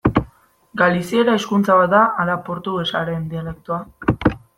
Galiziera hizkuntza bat da ala portugesaren dialektoa?